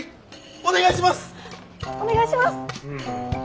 お願いします！